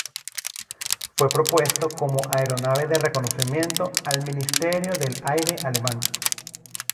Fue propuesto como aeronave de reconocimiento al Ministerio del Aire alemán.